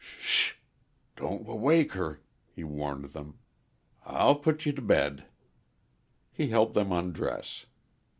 "Sh sh! don't w wake her," he warned them. "I'll put ye t' b bed." He helped them undress.